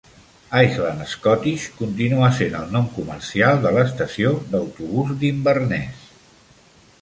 Highland Scottish continua sent el nom comercial de l'estació d'autobús d'Inverness.